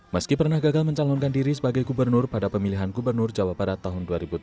meski pernah gagal mencalonkan diri sebagai gubernur pada pemilihan gubernur jawa barat tahun dua ribu tujuh belas